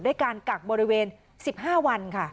ด้วยการกักบริเวณ๑๕ปี